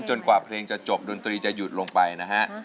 กว่าเพลงจะจบดนตรีจะหยุดลงไปนะฮะ